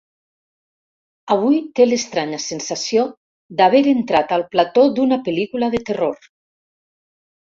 Avui té l'estranya sensació d'haver entrat al plató d'una pel·lícula de terror.